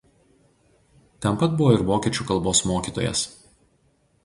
Ten pat buvo ir vokiečių kalbos mokytojas.